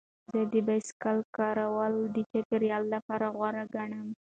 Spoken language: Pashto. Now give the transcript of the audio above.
زه د بایسکل کارول د چاپیریال لپاره غوره ګڼم.